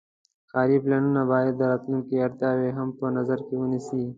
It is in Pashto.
ښاري پلانونه باید د راتلونکي اړتیاوې هم په نظر کې ونیسي.